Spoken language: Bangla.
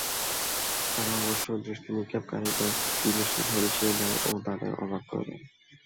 তারা অবশ্য দৃষ্টি নিক্ষেপকারীদের দৃষ্টি ঝলসিয়ে দেয় ও তাদের অবাক করে দেয়।